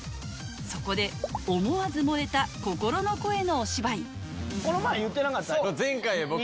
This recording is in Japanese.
そこで思わず漏れた心の声のお芝居前回僕。